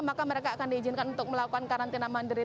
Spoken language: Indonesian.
maka mereka akan diizinkan untuk melakukan karantina mandiri